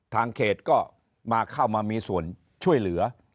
ทางเขตก็มาเข้ามามีส่วนช่วยเหลือ